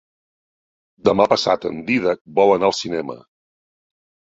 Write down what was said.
Demà passat en Dídac vol anar al cinema.